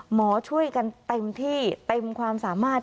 หมอช่วยกันเต็มที่เต็มความสามารถ